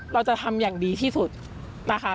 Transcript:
เราจะทำอย่างดีที่สุดนะคะ